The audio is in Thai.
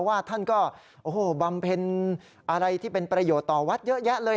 ว่าท่านก็โอ้โหบำเพ็ญอะไรที่เป็นประโยชน์ต่อวัดเยอะแยะเลย